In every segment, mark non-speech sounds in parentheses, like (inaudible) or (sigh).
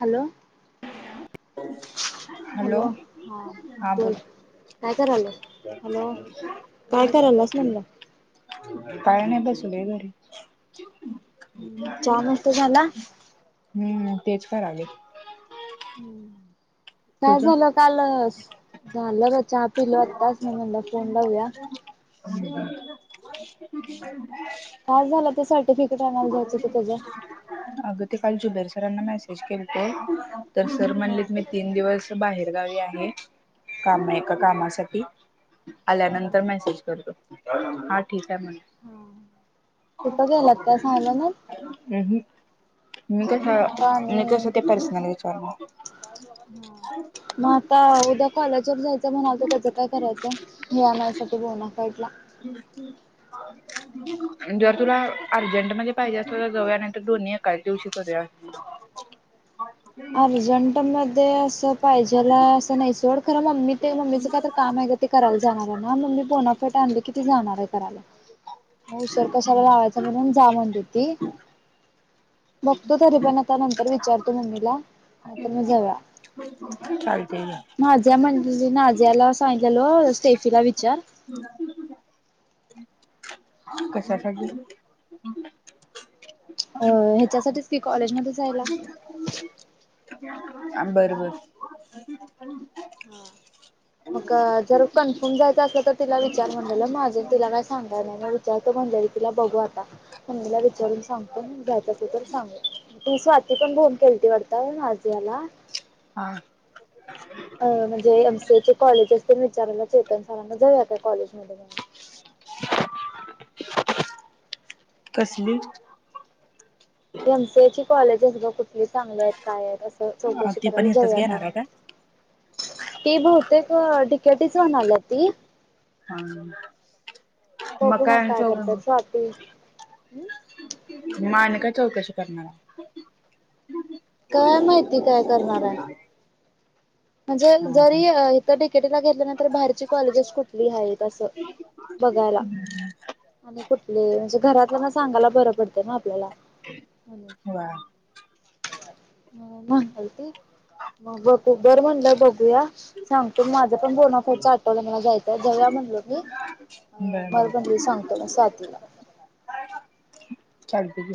Hello. (inaudible) Hello. हा बोल. काय कराल्यास? म्हणलं? (inaudible) काय नाही बसलोय घरी. हम्म चहा नाष्टा झाला? हम्म. तेच करालोय. काय तुझं झालं काल? झालं चहा पिलो आत्ताच मगला फोन लावूया. (inaudible) काय झालं ते सर्टिफिकेट आणायला द्यायचं तेज? अग ते काल जुबेर सरांना मेसेज केलतो. तर सर हा म्हणले मी तीन दिवस बाहेरगावी आहे. काम हा कामासाठी. हा आल्यानंतर मेसेज करतो. हा ठीक आहे म्हंटलं. हा. कुठं गेलात काय सांगितलं नाहीत? (inaudible) मी मग आता कसं आणि मी कसं ते पर्सनल विचारणार मग आता उद्या कॉलाजवर जायचं म्हणालतो तेच काय करायचं हे आनायसाठी बोनाफाईडला हम् हम् जर तुला अर्जंटमदे पाहिजे असल तर जाऊया नाहीतर दोन्ही एकाच दिवशी करूया अर्जंट मध्ये अस पाहिजेल हाय असं नाही सोड खर मम्मी ते मम्मीचं काय तर काम आहे ग काय ते करायला जाणार आहे ना मम्मी बोनाफाईट आणली की ती जाणार आहे करायला म उशर कशाला लावायच म्हणून जा म्हणलीती बघतो तरी पण आता नंतर विचारतो मम्मीला नाहीतर मग जाऊया. चालतय घे नाझिया म्हणलेली नाझियाला सांगितलेलो स्टेफीला विचार कशासाठी अ हेच्यासाठीच की कॉलेजमध्ये जायला अ बरबर (unintelligible) हा मग जर कन्फर्म जायचं असल तर तिला विचार म्हलेला निझिया तिला काय सांगा नाही ना विचारतो म्हणलेलो तिला बघू आता मम्मीला विचारून सांगतो घ्यायच असो तर सांगतो ती स्वाती पण फोन केलती वाटत नाझियाला हा अ म्हणजे एमसीए च कॉलेजेस तेन विचारयला चेतन सारांना जाऊया काय कॉलेज मध्ये कसली एमसीए ची कॉलेजेस बघ कुठ चांगले आहेत काय असं हा चौकशी ती पण करायला इथच जाऊया घेणार काय आहे का? ती बहुतेक डि. के. टी च म्हनाल्या ती हा बघू मग काय करत्या स्वाती हम म आम्ही काय चौकशी करणार काय माहिती काय करणार हाय म्हणजे जरी हा इथं डि. के. टी ला घेतल नाहितर बाहेर म्हणजे कॉलेजेस कुठली आहेत अस बघायला हम्म आणि कुठली म्हणजे घरातल्याना सांगायला बरं पडत त्यामुळ आपल्याला वा म्हनालती मग बर म्हणलं बघूया सांगतो माझं पण बोनाफाईडच आठवलं मला जायचंय जाऊया म्हणटलो मी अ बर म्हणली सांगतो स्वातीला चालतय की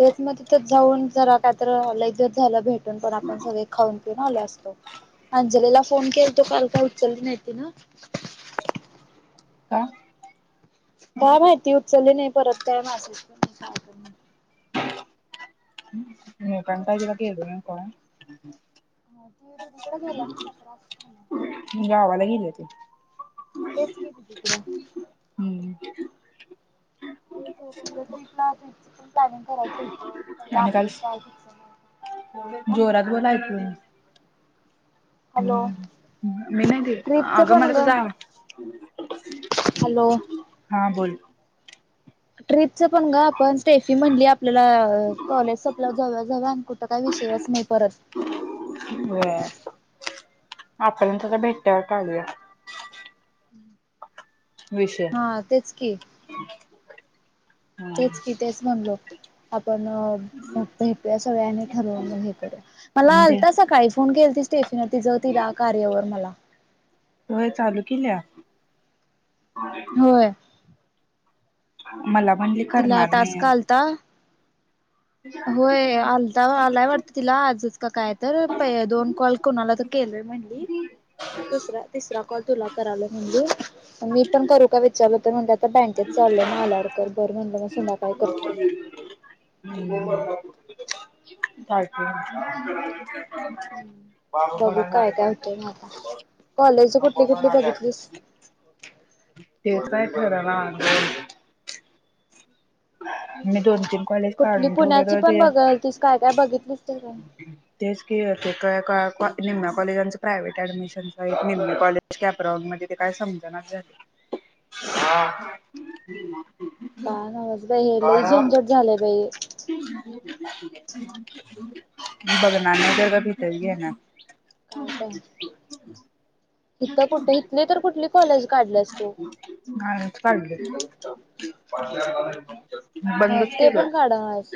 तेच मग तिथंच जाऊन जरा कायतर लई दिवस झालं भेट पण आपण सगळे खाऊन पिऊन आलो असतो अंजलीला फोन केलतो कॉल काय उचलली नाही तिनं का काय माहिती उचलली नाही परत काय मॅसेज (unintelligible) (unintelligible) हा ती दीदीकड गेलिया (unintelligible) गावाला गिलिया ती. तेच कि दीदीकड. हम्म (unintelligible) ट्रीपला ट्रिपचं पण प्लॅनिंग करायच हूत पहिलं आणि काल आपलंच काय फिक्स हा जोरात बोल ऐकू हॅलो! मी नाही ती ट्रिपच आगं पण मला ग तुजा आव हॅलो हा बोल. ट्रीपचं पण ग आपण स्टेफी म्हणली आपल्याला कॉलेज सपल्यावर जाऊया जाऊया आण कु ठ काय विषयच नाही परत. व्हय आपण तसं भेट्यावर काढुया विषय हा तेच की हा तेच की तेच म्हणलो आपण भेटूया सगळ्यानी ठरवून मग हे करूया मला ते आलता सकाळी फोन केलती स्टेफीन तिझ तिला कार्यवर मला व्हय चालू कील्या? व्हय. मला म्हणली तिला करणार टास्क आलता, व्हय आल ता आलाय वाटतं तिला आजच का काय तर पै दोन कॉल कुणाला तर केलोय म्ह णली आणि दुसरा तिसरा कॉल तुला करालोय म्हणली मी पण करू का विचारलं तर म्हणल्या आता बँकेत चालोय म आल्यावर कर बरं म्हणलं म संध्याकाळी करतो. नाही. (unintelligible) चालतंय (unintelligible) बाबा बघू भडंग काय आणि काय पाहिजे होतंय मग आता कॉलेज कुठली नको कुठली म्हणालात. बघितलीस तेच काय ठरना माझं. मी दोन तीन कॉलेज कुठली काढून पुण्याची ठेवलेलं पण ते बघालतिस काय काय बघितलीस तर काय? तेच की ते एकाएका कॉ निम्या कॉलेजांच प्रायव्हेट ऍडमिशनच आहे निम कॉलेज कॅपरॉग मध्ये ते काय समजनाच झाल (inaudible) हा का नव्हचं बाई हे लई झंझट झालंय बाई. बघनार नाहीतर गप्प हिताचं घेणारं. काय काय इथ कुठ इथली तर कुठली कॉलेज काढल्यास तू? आजचं काढलोय. मग बंदच ते केलोय पण काढास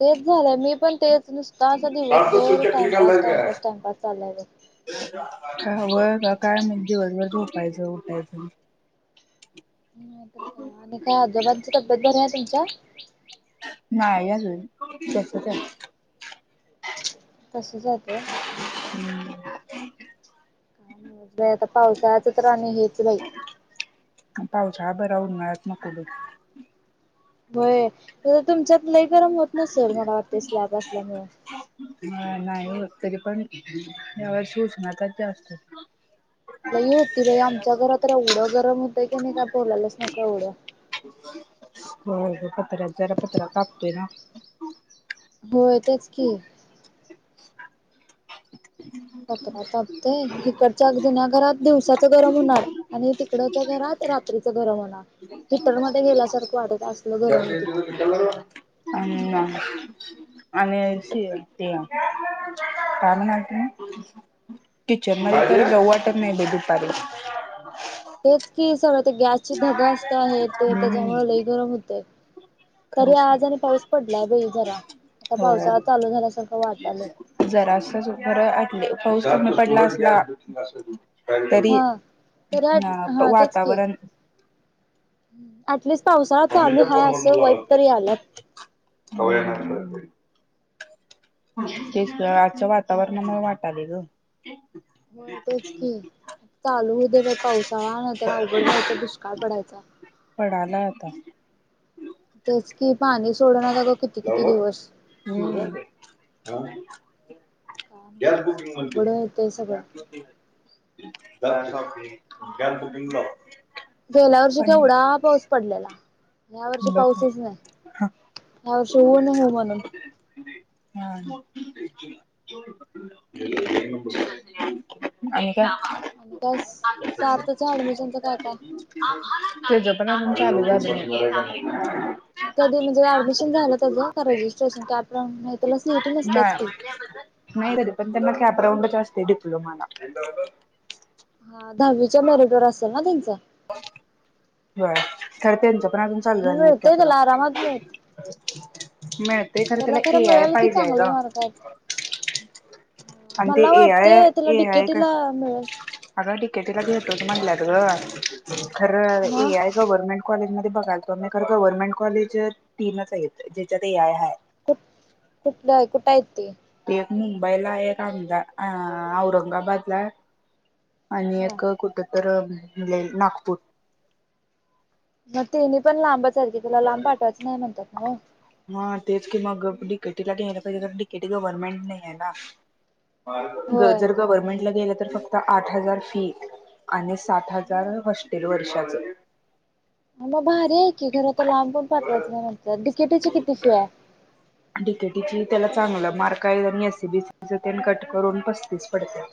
तेच झालंय मी पण तेच नुसत आस सार्थ तू दिवसभर चकली टाइमपास, खाल्लाय काय? टाइमपास, टाइमपास, चालाय बघ. का व्हय का काय म दिवसभर झोपायचं उठायचं, नाहीतर काय, आणि का आजोबांची तब्येत बरी आहे तुमच्या? नाही आजून तसचं आहे. तसचं (unintelligible) आहे (unintelligible) आता पावसाच तर आणि हेच पावसाळा बरा उन्हात नको बघ होय, तुमच्यात लई गरम होत नसल मला वाटतय स्लॅब असल्यामुळ? होय नाही होत तरी पण या वर्ष उष्णताच जास्त होती. लई होती बाई आमच्या घरात तर एवढं गरम हुईत की नाही काय बोलायलाच नको एवढं होय ग पत्रात जरा पत्रा तपतोय ना. होय, तेच की. पत्रा तापतोय इकडच्या जुन्या घरात दिवसाचं गरम होणार. आणि तिकडच्या घरात रात्रीचं गरम होणार, हिटरमध्ये घेयल्यासारखं वाटत अस (unintelligible) अम् (unintelligible) आणि ती, ते (unintelligible) काय म्हनाल तो मी? किचन मध्ये तरी जाऊ वाटत काय? नाही बाई दुपारी. तेच कि सगळ ते गॅस धगा असतया हे ते हम्म त्याच्यामुळे लई गरम होतई. तरी खरंच की आज आणि पाऊस पडलाय बई जरा, आता पावसाळा चालू झाल्यासारखं वाटालंय. जरा अस च बर आटले पाऊस कमी पडला असला तरी, हा. तर अ हा वातावरण अटलिस्ट पावसाळा चालू मम्मीच्या हा फोनवरन असं वाईब लावायला तरी पाहिजे याल्यात. (unintelligible) तेच ग आजच्या वातावरणामुळे वाटालय ग. होय तेच की, चालू हु दे बाई पावसाळा नाही तर अवघड व्हायचं दुष्काळ पडायचा. पडालय आता. तेच कि पाणी सोडनात अग किती किती लावला दिवस? हम्म सुरज, आ, काय गॅस नव्हच बुकिंग मधली, अवघड होतय सगळं त्यातलं (unintelligible) गॅस बुकींग (unintelligible) गेल्या वर्षी केवढा पाऊस पडलेला. ह्या वर्षी बघ पाऊसच नाही, की हा ह्या वर्षी ऊन हु म्हणून. हा (unintelligible) आणि काय, आणि काय आपल्या सार्थच्या पसंतचे ऍडमिशनच काय काय (unintelligible) तुझं पण आजुन चालू झालं नाही. (unintelligible) कधी म्हणजे ऍडमिशन झालं त्याचं का रजिस्ट्रेशन काय आपलं नाही त्याला सीईटी नाय. नसतेच की नाही तरी पण त्यांना कॅपराऊडच असतय डिप्लोमाला. हा दहावीच्या मेरिट वर असेल ना त्यांच. बय. खरं त्यांचं पण अजून चालू मग झालं नाहीत मिळतय त्याला आरामात कॅप्राउन. मिळत मिळतय खर त्याला ए खरं आय मिळेल की पाहिजे आहे चांगले ग. मार्क आहेत आणि ते मला ए वाटते आय, तिला ए आय काय डिकेटीला मिळेल अगं डी के टी ला घेतोच म्हटल्यात ग, खरं ए मग आय गव्हर्नमेंट कॉलेज मध्ये बघाल तो मी खर गव्हर्नमेंट कॉलेज, तीनच आहेत ज्याच्यात ए आय हाय. कुठ, कुठल कुठं हाईत ती. एक मुंबईला एक आमदा अ औरंगाबादला हाय. आणि हा एक कुठ तर म्हनलेली नागपू म तेने पण लांबच हाईत की तुला लांब पाठवायचं नाही म्हणत्यात नव. हा तेच की मग डी के टीला घ्यायला पाहिजे कारण डी के टी गव्हर्नमेंट नाही आहे ना. होय जर गव्हर्नमेंटल गेलं तर फक्त आठ हजार फी. आणि साठ हजार होस्टेल वर्षाच. म भारी आहे की खर तर लांब पण पाठवायचं नाही म्हणत्यात डी के टीची किती फी आहे? डी के टीची त्याला चांगला मार्क आहे आणि एस सी बी सीच तेन कट करून पस्तीस पडत्यात.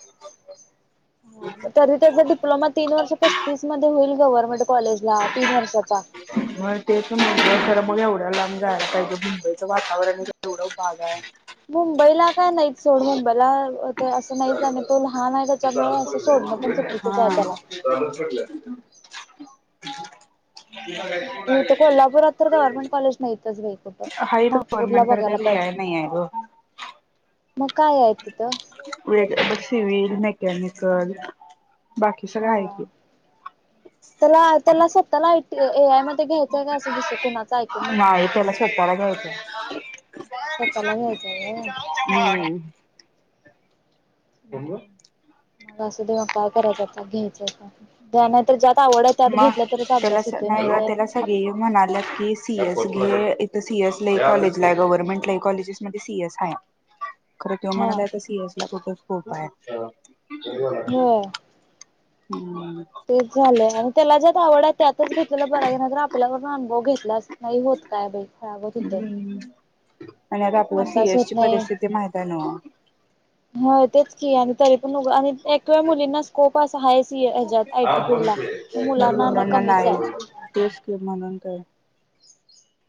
तरी त्याचा डिप्लोमा तीन वर्ष पस्तीस मध्ये होईल. गव्हर्नमेंट कॉलेजला. तीन वर्षाचा. मग तेच म्हणलो. मग एवढ्या लांब जायला पाहिजे. मुंबईचं वातावरण एवढा भाग आहे. मुंबईला काय नाही सोड. मुंबईला तर असं नाहीच. आणि तो लहान आहे त्याच्यामुळे असं सोडणं पण चुकीचच आहे त्याला. (unintelligible) (inaudible) इथं कोल्हापुरात तर गव्हर्नमेंट कॉलेज नाहीतच बाई कुठं हा इकड नागपूरला गवर्नमेंटकडं बघायला कड ए आय पाहिजे नाईए ग. मग कायेय तिथं? (unintelligible) सिविल. मेकॅनिकल. बाकी सगळं हाय हा की. त्याला त्याला स्वतःला आय टी ए आय मध्ये घ्यायचं का? असं दुस्स कुणाचं ऐकून म नाय त्याला स्वतःला घ्यायचंय. ह (inaudible) स्वतःला घ्यायचंय व्हय? (inaudible) केम (inaudible) मग असुदे म काय करायचं आता. घ्यायचय का त्या नहीतर ज्यात आवडे त्यात मग घेतलं तरच त्याला अभ्यास होतोय नाही ग माहिते. त्याला सगळे म्हणालं की सी एस घे. इथं सी एस लई कॉलेजलाए गव्हर्नमेंट लई कॉलेजेस (inaudible) मधे सी एस हाय. खरं त्यो हा म्हणालाय का सी एस ला खूप च स्कोप हाय. होय (unintelligible) तेच झालंय. आणि त्याला ज्यात आवड आहे. त्यातच घेतलेलं बरंय. नाईतर आपल्यावरून अनुभव घेतला अस नाही होत काय बाई. खुळ्यागत होतय. हम्म आणि अग आपलं सी एस होत ची परिस्थिती माहिताय नव्हं. होय तेच की. आणि तरी पण उगं आणि एकव्या मुलींना स्कोप पास हाय सी ए हच्यात आय टी फिल्डला. म मुलांना नाय कमीचाय. तेच की म्हणून तर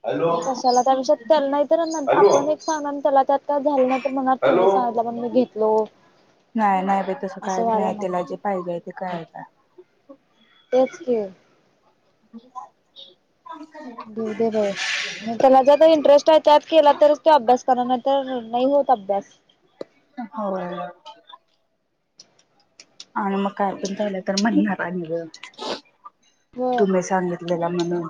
हॅलो कशाला त्या विषयात त्यांना (unintelligible) हॅलो आपण एक (unintelligible) त्याला त्यात- काय झालंना. तर म्हणार तुम्ही सांगितलं हॅलो म्हणुन मी घेतलो. असं व्हायला नको. फायदाय ते काय आता. तेच की. (inaudible) घेऊदे बाई त्यांना ज्यात इंटरेस्ट आयत् त्यात केला तरच तो अभ्यास करनार. नाही तर नाही होत अभ्यास. होय. आणि मग काय पण झालं तर म्हणणार आणि ग होय तुम्ही सांगीत लेला म्हणून.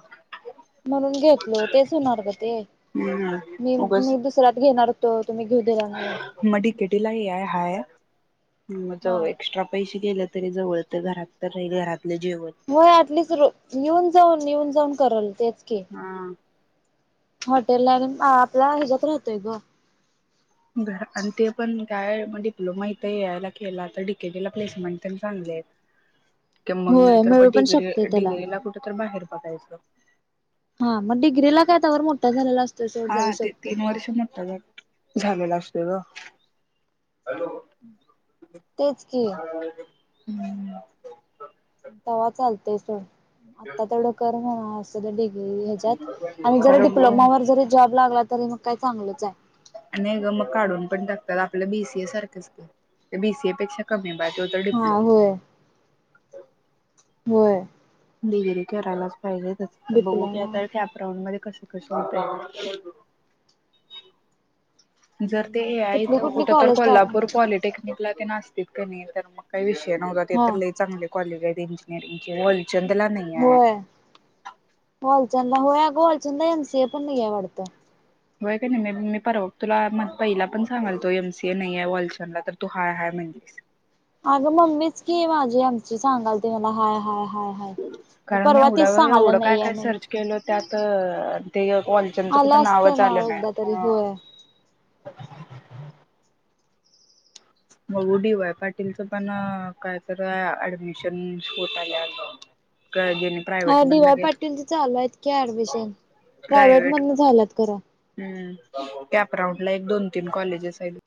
म्हणून घेतलो. तेच होणार ग ते. हम्म उगच मी-मी (unintelligible) त घेणार होतो तुम्ही घेऊ दिला नाही. मग डीकेटीला हे हाय. म जो हा एक्स्ट्रा पैसे गेलेत तरी जवळे त घरात त राहिल. घरातलं जेवण होय ऍटलिस्ट र येऊन जाऊन. येऊन जाऊन करल. तेच की. हां. हॉटेलला आणून आपला ह्याच्यात राहतोय ग. घर आणि ते पण काय म डीप ह म इथ यायला केला तर डडीकेटीला प्लेसमेंट त्यां चांगलेत. कि मग होय नाहीतर म मिळू पण डिग्री शकते त्याला डिग्रीला कुठ तर बाहेर बघायचं. हा म डिग्री ला काय तवर मोठा झालेला असत. हा ते तीन वर्ष मोठठा झा-झालेला असतोय ग. तेच की ह. तवा चालतेय स खरं आता तेवढकर म्हणास डिग्री ह्याच्यात आणि जरी ग डिप्लोमावर जरी जॉब लागला. तरी मग काय चांगलच आहे. ग मग काढून पण टाकतात. आपलं बीसीए सारखंच बीसीए पेक्षा कमी बाजे तर हा डिप्लोमा होय होय. गरी करायलाच पाहिजे त तर बघू की डिप्लोमा आता कॅपराऊंड मध्ये कसे कस होत. जर ते कुठली आहेत कुठली कुठ तर कॉलेज टाक कोल्हापूर पॉलिटेक् निघला ते नासत कणी तर मग काही विषय नव्हता. ते हा तर ल चांगले कॉलेज आहेत इंजिनिअरिंगचे. चंदला नाही. आहे होय वालचंदा होय अ ग वालचंदा एम सी ऐ पण नाहीे ये वाटतं. होय का नाही म मी परवा तुला मग पहिला पण सांगाल तो एम सी ए नाही आहे. वॉल्शनला तर तू हाय हय म्हणलीस. अगं मम्मीच की माझी आमची सांगाल त मला हाय हयाय. कारण मी परवा तीच एवढ्या वेळ सांगाला एवढं काय नईए काय नईए्. सर्च केलं त्यात ते कॉलजनचं आला कुठं असत नावच ना आलं नाय एकदा तरी हं. होय मू डी वाय पाटीलचं पण कायतर ऍडमिशन होत आल्या अगं. कायजेने हा दिवाय पाटील लूय की ऍडमिशन प्रायव्हेट मधन झालंत खरां. हम्म कॅपराऊंड ला एक दोन तीन कॉलेजेस आहेत.